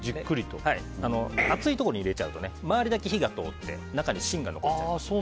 熱いところに入れちゃうと周りだけ火が通って中に芯が残っちゃうんですね。